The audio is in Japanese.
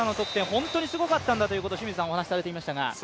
本当にすごかったんだということを清水さんお話しされてましたが。